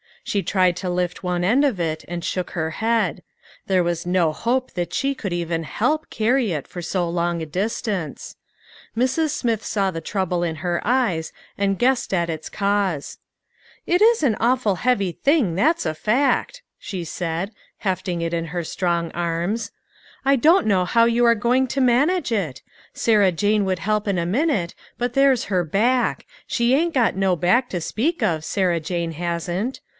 She tried to lift one end of it, and shook her head. There was no hope that she could even help carry it for so long a distance. Mrs. Smith saw the trouble in her eyes, and guessed at its 226 A.X UNEXPECTED HELPER. 227 cause. "It is an awful heavy thing, that's a fact," she said, " hefting " it in her strong arms ;" I don't know how you are going to manage it ; Sarah Jane would help in a minute, but there's her back ; she ain't got no back to speak of, Sarah Jane hasn't.